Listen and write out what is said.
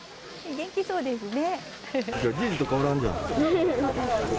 元気そうですね。